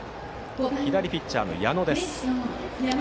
左ピッチャーの矢野です。